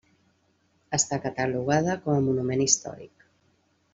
Està catalogada com a Monument històric.